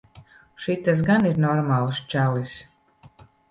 Šitas gan ir normāls čalis.